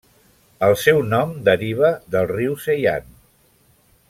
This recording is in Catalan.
El seu nom deriva del riu Seyhan.